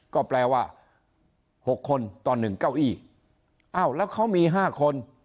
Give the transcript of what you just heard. ก็แปลว่า๖คนตอน๑ก้าวอีกแล้วเขามี๕คน